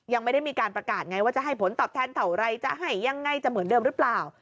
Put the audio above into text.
ยังไม่ได้มีการประกาศไงว่าจะให้ผลตอบแทนเท่าไรจะให้ยังไงจะเหมือนเดิมหรือเปล่า